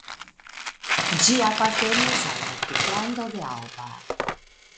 Ĝi apartenis al la Duklando de Alba.